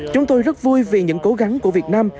chúng tôi rất vui vì những cố gắng của việt nam